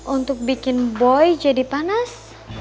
untuk bikin boy jadi panas